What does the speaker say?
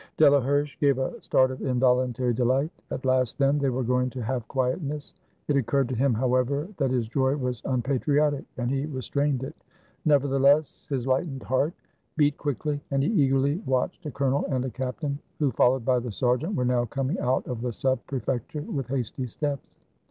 Delaherche gave a start of involuntary delight. At last, then, they were going to have quietness. It oc curred to him, however, that his joy was unpatriotic, and he restrained it. Nevertheless his lightened heart beat quickly, and he eagerly watched a colonel and a captain, who, followed by the sergeant, were now coming out of the Sub Prefecture with hasty steps.